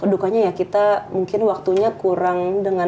dukanya ya kita mungkin waktunya kurang dengan